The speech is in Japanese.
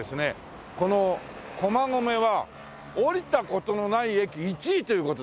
この駒込は降りた事のない駅１位という事で。